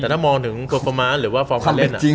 แต่ถ้ามองถึงหรือว่าความเป็นจริงความเป็นจริง